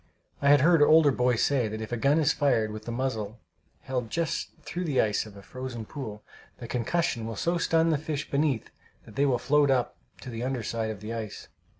I had heard older boys say that if a gun is fired with the muzzle held just through the ice of a frozen pool, the concussion will so stun the fish beneath that they will float up to the under side of the ice.